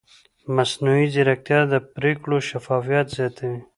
مصنوعي ځیرکتیا د پرېکړو شفافیت زیاتوي.